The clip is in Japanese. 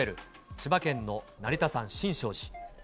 千葉県の成田山新勝寺。